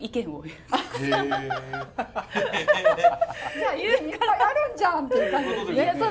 じゃあいっぱいあるんじゃんっていう感じですね。